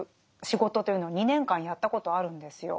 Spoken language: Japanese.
仕事というのを２年間やったことあるんですよ。